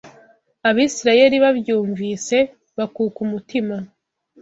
Abisirayeli babyumvise bakuka umutima